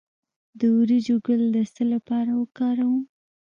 د وریجو ګل د څه لپاره وکاروم؟